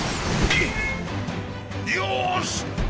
よし！